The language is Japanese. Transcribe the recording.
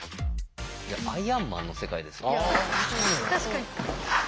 「アイアンマン」の世界ですよね。